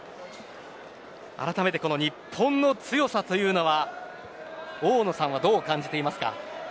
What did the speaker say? あらためてこの日本の強さというのは大野さんはどう感じていますか。